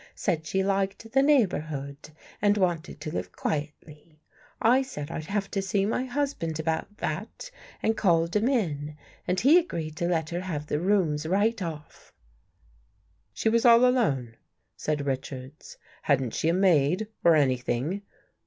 Said she liked the neighborhood and wanted to live quietly. I said I'd have to see my husband about that and called him in. And he agreed to let her have the rooms right off." " She was all alone? " asked Richards. " Hadn't she a maid or anything?